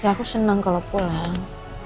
aku senang kalau pulang